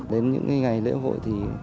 đến những ngày lễ hội thì